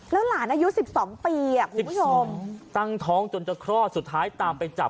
แล้วหลานอายุ๑๒ปีคุณผู้ชมตั้งท้องจนจะคลอดสุดท้ายตามไปจับ